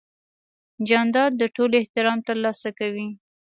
جانداد د ټولو احترام ترلاسه کوي.